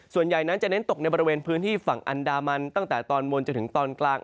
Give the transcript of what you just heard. ส่วนใหญ่นั้นจะเน้นตกในบริเวณพื้นที่ฝั่งอันดามันตั้งแต่ตอนบนจนถึงตอนกลาง